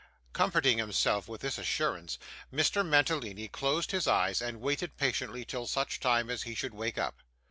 Comforting himself with this assurance, Mr. Mantalini closed his eyes and waited patiently till such time as he should wake up.